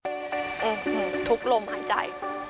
โอ้โฮทุกลมหายใจ